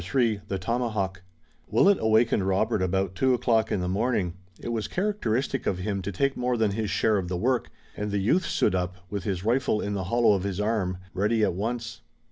CHAPTER III THE TOMAHAWK Willet awakened Robert about two o'clock in the morning it was characteristic of him to take more than his share of the work and the youth stood up, with his rifle in the hollow of his arm, ready at once.